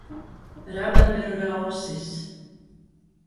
Rabarberu rausis.